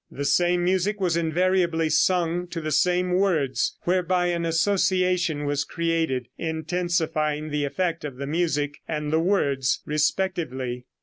The same music was invariably sung to the same words, whereby an association was created, intensifying the effect of the music and the words respectively.